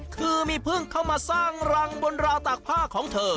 คือมีพึ่งเข้ามาสร้างรังบนราวตากผ้าของเธอ